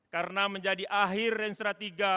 karena menjadi akhir rensera tiga